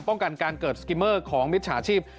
ป้องกันการเกิดสกิเมอร์ของมิจฉาชีพ